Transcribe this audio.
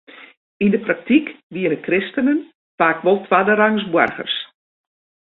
Yn de praktyk wienen kristenen faak wol twadderangs boargers.